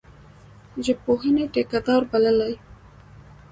ژبپوهني ټیکه دار بللی.